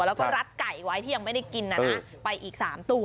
แล้วก็รัดไก่ไว้ที่ยังไม่ได้กินนะนะไปอีก๓ตัว